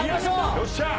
よっしゃー。